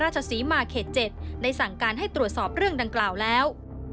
ศรีมาเขต๗ได้สั่งการให้ตรวจสอบเรื่องดังกล่าวแล้ว